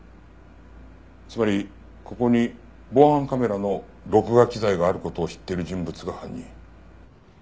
つまりここに防犯カメラの録画機材がある事を知ってる人物が犯人。